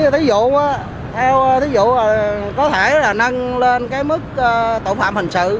thí dụ theo thí dụ có thể là nâng lên cái mức tội phạm hình sự